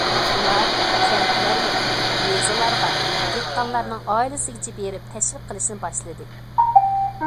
ئۇلار كەنتلەرگە، يېزىلارغا، دېھقانلارنىڭ ئائىلىسىگىچە بېرىپ تەشۋىق قىلىشنى باشلىدى.